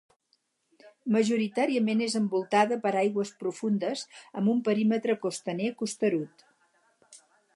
Majoritàriament és envoltada per aigües profundes amb un perímetre costaner costerut.